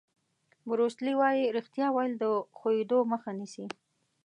بروس لي وایي ریښتیا ویل د ښویېدو مخه نیسي.